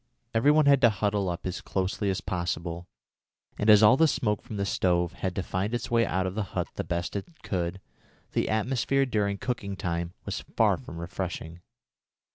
Every one had to huddle up as closely as possible, and as all the smoke from the stove had to find its way out of the hut the best way it could, the atmosphere during cooking time was far from refreshing.